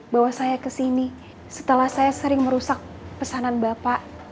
bawa saya kesini setelah saya sering merusak pesanan bapak